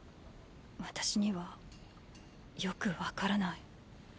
私にはよくわからない。